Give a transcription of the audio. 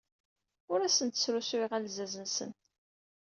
Ur asen-d-srusuyeɣ alzaz-nsen.